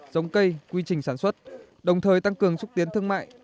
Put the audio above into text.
giống cây quy trình sản xuất đồng thời tăng cường xúc tiến thương mại